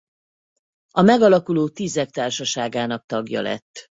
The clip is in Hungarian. A megalakuló Tízek Társaságának tagja lett.